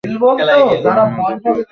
ব্রহ্ম ‘দ্বিতীয়হীন’।